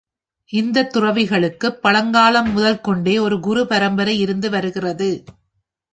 இந்தத் துறவிகளுக்குப் பழங்காலம் முதற் கொண்டே ஒரு குரு பரம்பரை இருந்து வருகிறது.